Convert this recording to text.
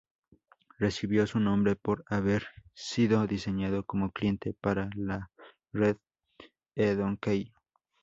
Recibió su nombre por haber sido diseñado como cliente para la red eDonkey.